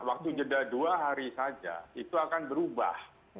waktu jeda dua hari saja itu akan berubah